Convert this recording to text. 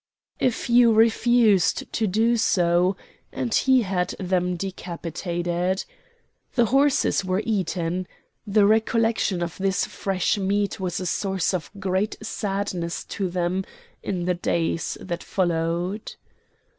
A few refused to do so, and he had them decapitated. The horses were eaten. The recollection of this fresh meat was a source of great sadness to them in the days that followed.